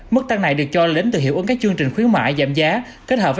mức tăng này được cho đến từ hiệu ứng các chương trình khuyến mại giảm giá kết hợp với